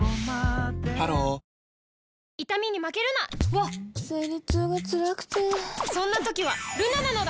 ハローわっ生理痛がつらくてそんな時はルナなのだ！